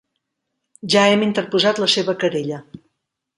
Ja hem interposat la seva querella.